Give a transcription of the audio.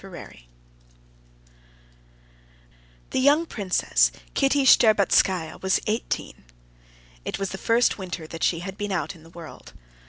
Chapter 12 The young Princess Kitty Shtcherbatskaya was eighteen. It was the first winter that she had been out in the world.